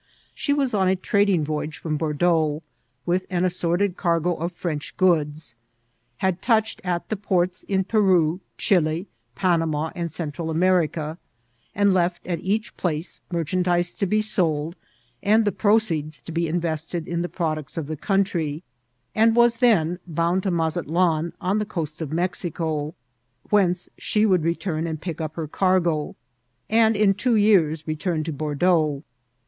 She was on a tra* ding voyage from Bord^iux, with an assorted cargo of French goods ; had touched at the ports in Peru, Chilly Panama, and Central America, and left at each place merchandise to be sold, and the proceeds to be invested in the products of the country ; and was then bound to Mazatlan, on the coast of Mexico, whence she would return and pick up her cargo, and in two years return to Bordeaux.